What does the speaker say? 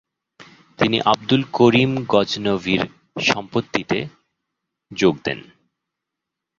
তিনি আবদুল করিম গজনভির সম্পত্তিতে যোগ দেন।